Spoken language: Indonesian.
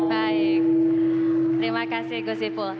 baik terima kasih gusipul